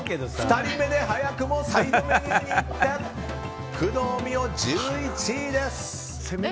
２人目で早くもサイドメニューにいって工藤美桜、１１位です。